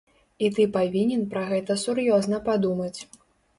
І ты павінен пра гэта сур'ёзна падумаць.